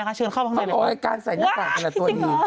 โอ้ในขั้นกลางเนี่ยตัวนี้